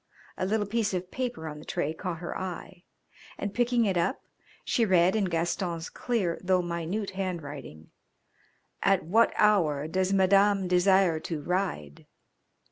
A little piece of paper on the tray caught her eye, and, picking it up, she read in Gaston's clear though minute handwriting, "At what hour does Madame desire to ride?"